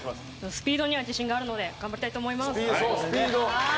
スピードには自信があるので頑張りたいと思います。